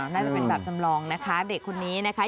น่าจะเป็นแบบจำลองนะคะเด็กคนนี้นะคะ